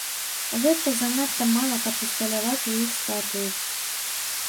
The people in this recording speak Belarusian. Гэта занадта мала, каб усталяваць у іх статуі.